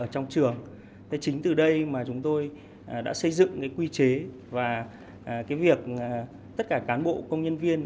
trong trường chính từ đây mà chúng tôi đã xây dựng quy chế và việc tất cả cán bộ công nhân viên